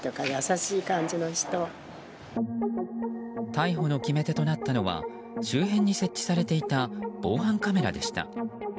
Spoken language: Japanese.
逮捕の決め手となったのは周辺に設置されていた防犯カメラでした。